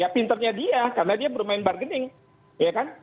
pinternya dia karena dia bermain bargaining